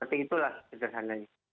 seperti itulah sederhananya